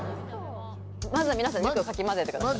まずは皆さんよくかき混ぜてください。